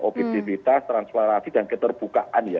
objektivitas transparansi dan keterbukaan ya